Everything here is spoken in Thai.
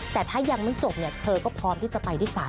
แต่ถ้ายังไม่จบเธอก็พร้อมที่จะไปที่ศาล